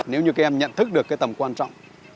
nếu như em nhận thức được tầm quan trọng